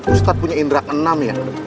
ustadz punya indrak enam ya